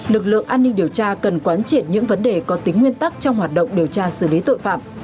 lực lượng an ninh điều tra cần quán triển những vấn đề có tính nguyên tắc trong hoạt động điều tra xử lý tội phạm